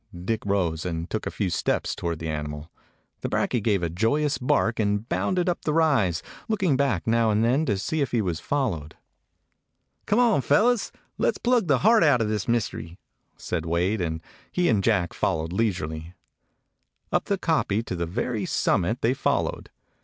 Dick rose and took a few steps toward the animal. The brakje gave a joyous bark and bounded up the rise, looking back now and then to see if he was followed. "Come on, fellows. Let 's pluck the heart 189 DOG HEROES OF MANY LANDS out of this mystery," said Wade, and he and Jack followed leisurely. Up the kopje to the very summit they fol lowed.